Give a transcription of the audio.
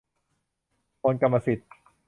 โอนกรรมสิทธิ์